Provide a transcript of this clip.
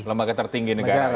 lembaga tertinggi negara ya